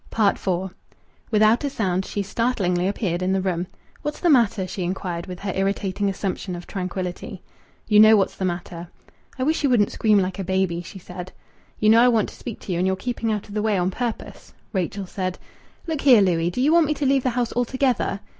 IV Without a sound she startlingly appeared in the room. "What's the matter?" she inquired, with her irritating assumption of tranquillity. "You know what's the matter." "I wish you wouldn't scream like a baby," she said. "You know I want to speak to you, and you're keeping out of the way on purpose." Rachel said "Look here, Louis! Do you want me to leave the house altogether?"